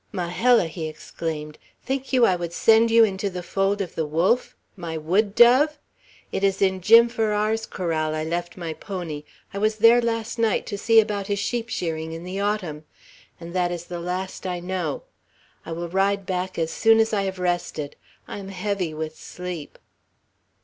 "Majella!" he exclaimed, "think you I would send you into the fold of the wolf? My wood dove! It is in Jim Farrar's corral I left my pony. I was there last night, to see about his sheep shearing in the autumn. And that is the last I know. I will ride back as soon as I have rested. I am heavy with sleep."